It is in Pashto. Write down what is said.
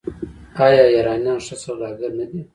آیا ایرانیان ښه سوداګر نه دي؟